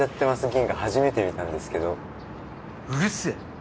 ギンガ初めて見たんですけどうるせぇ